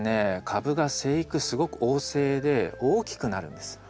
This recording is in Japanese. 株が生育すごく旺盛で大きくなるんです。